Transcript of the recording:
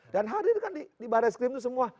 dan hari ini kan dibadai skrim itu semua